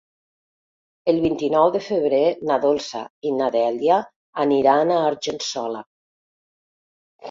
El vint-i-nou de febrer na Dolça i na Dèlia aniran a Argençola.